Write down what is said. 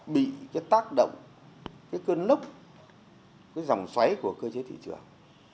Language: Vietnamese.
bị cái tác động cái cơn lốc cái dòng xoáy của cơ chế thị trường